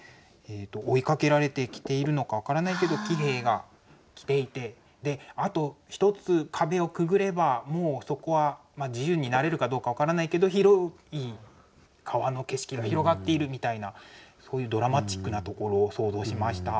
追いかけられてきているのか分からないけど騎兵が来ていてあと１つ壁をくぐればもうそこは自由になれるかどうか分からないけど広い川の景色が広がっているみたいなそういうドラマチックなところを想像しました。